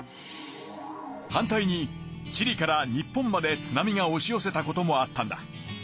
反対にチリから日本まで津波がおしよせた事もあったんだ。